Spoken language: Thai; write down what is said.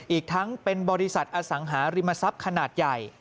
อีกทั้งเป็นบริษัทอสังหาริมทรัพย์ขนาดใหญ่